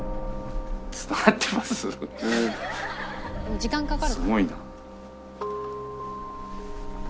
「時間かかる」